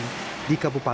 dan dihidupkan di kampungnya